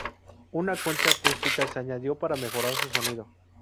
Una concha acústica se añadió para mejorar su sonido.